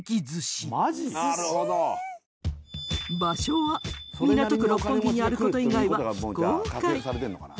場所は港区六本木にある事以外は非公開。